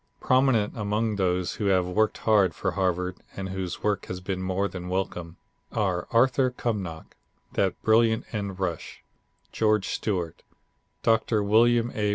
Prominent among those who have worked hard for Harvard and whose work has been more than welcome, are Arthur Cumnock, that brilliant end rush, George Stewart, Doctor William A.